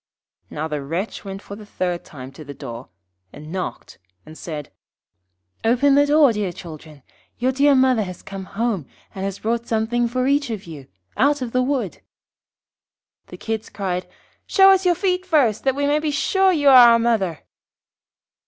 Now the wretch went for the third time to the door, and knocked, and said 'Open the door, children. Your dear mother has come home, and has brought something for each of you out of the wood.' The Kids cried, 'Show us your feet first, that we may be sure you are our mother.'